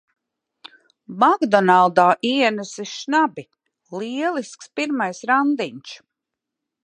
"Makdonaldā" ienesis šnabi! Lielisks pirmais randiņš.